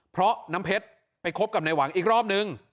เพราะน้ำเพชรไปคบกับในหวังอีกรอบนึง